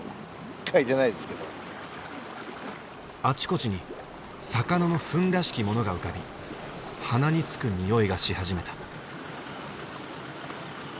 あちこちに魚の糞らしきものが浮かび鼻につく臭いがし始めた。